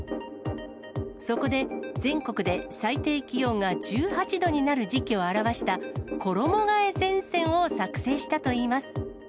そこで、全国で最低気温が１８度になる時期を表した、衣替え前線を作成したといいます。